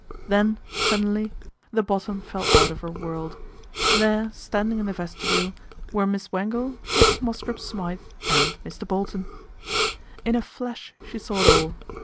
Then suddenly the bottom fell out of her world. There, standing in the vestibule, were Miss Wangle, Mrs. Mosscrop Smythe, and Mr. Bolton. In a flash she saw it all.